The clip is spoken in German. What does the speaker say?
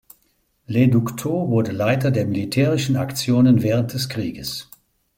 Lê Đức Thọ wurde Leiter der militärischen Aktionen während des Krieges.